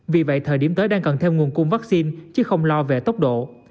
vì vậy thời điểm tới đang cần thêm nguồn cung vaccine chứ không lo về tốc độ